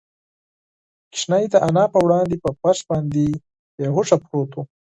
ماشوم د انا په وړاندې په فرش باندې بې هوښه پروت و.